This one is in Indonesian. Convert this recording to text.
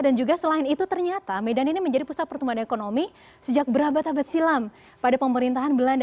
dan juga selain itu ternyata medan ini menjadi pusat pertumbuhan ekonomi sejak berabad abad silam pada pemerintahan belanda